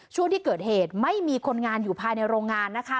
ช่วงที่เกิดเหตุไม่มีคนงานอยู่ภายในโรงงานนะคะ